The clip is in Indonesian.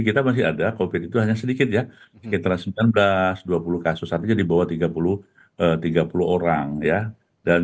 kita masih ada covid itu hanya sedikit ya sekitar sembilan belas dua puluh kasus saja di bawah tiga puluh tiga puluh orang ya dan